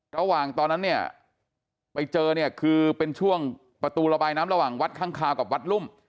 ระหว่างตอนนั้นไปเจอคือเป็นช่วงประตูระบายน้ำระหว่างวัดข้างคาวกับวัดรุ่ม